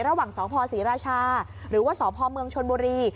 ระหว่างสพศรีราชาหรือว่าสพเมืองชนบุรี